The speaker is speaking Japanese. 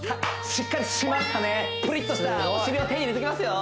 しっかり締まったねプリッとしたお尻を手に入れていきますよ！